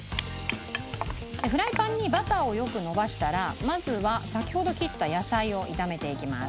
フライパンにバターをよくのばしたらまずは先ほど切った野菜を炒めていきます。